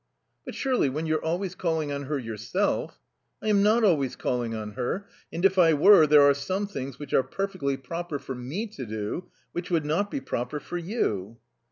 "But surely, when you're always calling on her yourself " "I am not always calling on her. And if I were, there are some things which are perfectly proper for me to do which would not be proper for you."